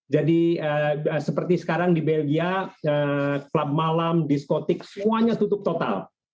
jadi seperti sekarang di belgia club malam diskotik semuanya tutup total